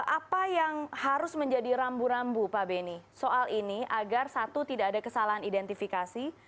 apa yang harus menjadi rambu rambu pak beni soal ini agar satu tidak ada kesalahan identifikasi